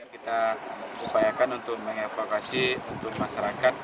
kita upayakan untuk mengevakuasi untuk masyarakat